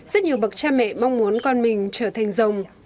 rất nhiều bậc cha mẹ mong muốn con mình trở thành rồng